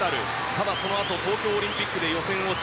ただそのあと東京オリンピックで予選落ち